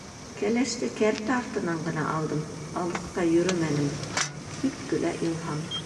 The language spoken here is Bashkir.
— Кәләште кәртә артынан ғына алдым, алыҫҡа йөрөмәнем, — тип көлә Илһам.